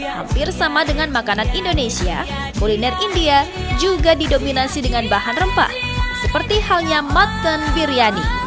hampir sama dengan makanan indonesia kuliner india juga didominasi dengan bahan rempah seperti halnya mutton biryani